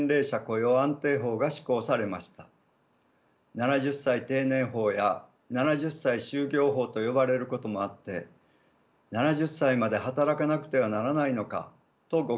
７０歳定年法や７０歳就業法と呼ばれることもあって７０歳まで働かなくてはならないのかと誤解している人もいます。